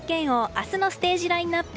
明日のステージラインアップ